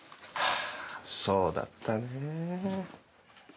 そうだったねぇ。